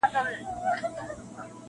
• زما یاغي وزري ستا زندان کله منلای سي -